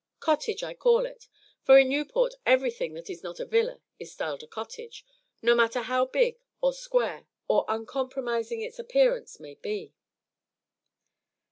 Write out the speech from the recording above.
"Cottage" I call it; for in Newport everything that is not a "villa" is styled a "cottage," no matter how big or square or uncompromising its appearance may be.